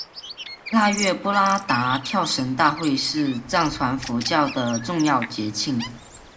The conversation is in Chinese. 腊月布拉达跳神大会是藏传佛教的重要节庆。